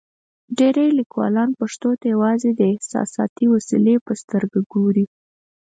ډېری لیکوالان پښتو ته یوازې د احساساتي وسیلې په سترګه ګوري.